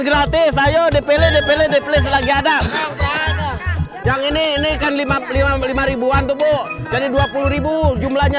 gratis ayo dpl dpl dpl selagi ada yang ini ini kan lima ratus lima puluh lima ribuan tubuh jadi rp dua puluh jumlahnya